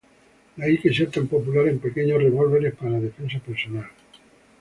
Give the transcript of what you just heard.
De ahí que sea tan popular en pequeños revólveres para defensa personal.